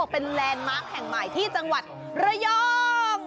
เป็นแลนด์มาร์คแห่งใหม่ที่จังหวัดระยอง